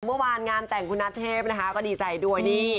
เมื่อวานงานแต่งคุณนัทเทพนะคะก็ดีใจด้วยนี่